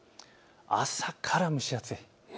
朝から蒸し暑いです。